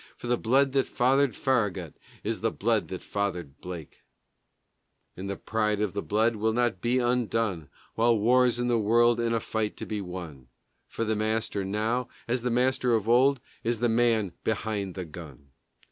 For the blood that fathered Farragut Is the blood that fathered Blake; And the pride of the blood will not be undone While war's in the world and a fight to be won. For the master now, as the master of old, Is "the man behind the gun."